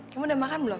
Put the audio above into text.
kamu udah makan belum